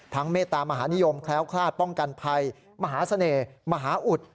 เมตตามหานิยมแคล้วคลาดป้องกันภัยมหาเสน่ห์มหาอุด